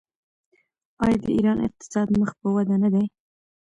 آیا د ایران اقتصاد مخ په وده نه دی؟